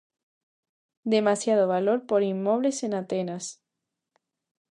Demasiado valor por inmobles en Atenas.